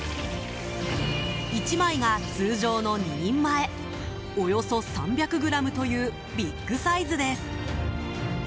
１枚が通常の２人前およそ３００ｇというビッグサイズです。